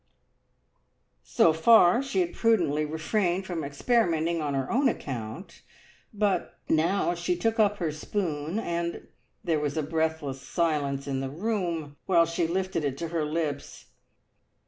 So far she had prudently refrained from experimenting on her own account, but now she took up her spoon, and there was a breathless silence in the room while she lifted it to her lips.